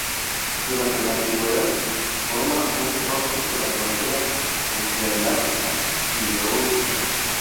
Durante la Antigüedad, forma un trozo de la frontera entre el Ática y Beocia.